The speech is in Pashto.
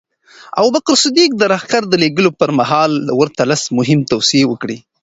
ابوبکر صدیق د لښکر د لېږلو پر مهال ورته لس مهمې توصیې وکړې.